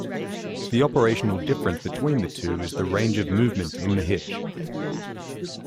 The operational difference between the two is the range of movement in the hitch.